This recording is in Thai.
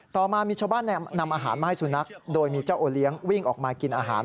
ต่อมามีชาวบ้านนำอาหารมาให้สุนัขโดยมีเจ้าโอเลี้ยงวิ่งออกมากินอาหาร